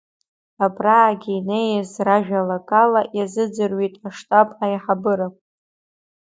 Абраагьы инеиз ражәалагала иазыӡырҩит аштаб аиҳабыра.